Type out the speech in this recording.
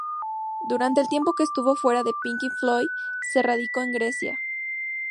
Durante el tiempo que estuvo fuera de Pink Floyd se radicó en Grecia.